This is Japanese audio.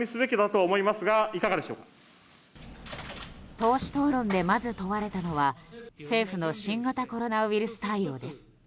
党首討論でまず問われたのは政府の新型コロナウイルス対応です。